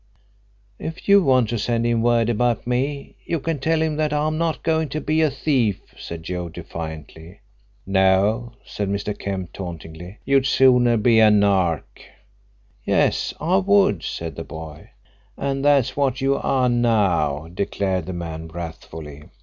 "If you want to send him word about me, you can tell him that I'm not going to be a thief," said Joe defiantly. "No," said Mr. Kemp tauntingly, "you'd sooner be a nark." "Yes, I would," said the boy. "And that's what you are now," declared the man wrathfully.